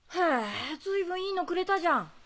ヘぇずいぶんいいのくれたじゃん。